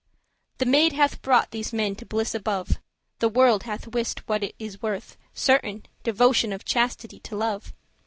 "The maid hath brought these men to bliss above; The world hath wist what it is worth, certain, Devotion of chastity to love."